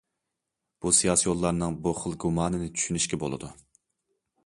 بۇ سىياسىيونلارنىڭ بۇ خىل گۇمانىنى چۈشىنىشكە بولىدۇ.